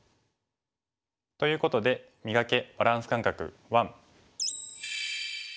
ということで「磨け！バランス感覚１」。